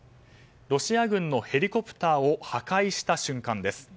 ロシア軍のヘリコプターを破壊した瞬間です。